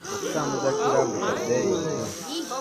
Okutambuza kiraabu kya bbeeyi nnyo.